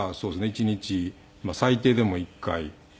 １日最低でも１回朝晩。